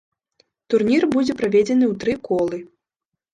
Турнір будзе праведзены ў тры колы.